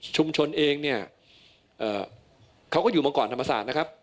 เองเนี่ยเขาก็อยู่มาก่อนธรรมศาสตร์นะครับ